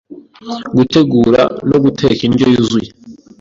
gutegura no guteka indyo yuzuye